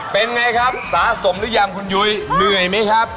เป็นไงครับสะสมหรือยังคุณยุ้ยเหนื่อยไหมครับ